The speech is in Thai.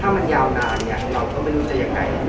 ถ้ามันยาวนานเราก็ไม่รู้จะยังไง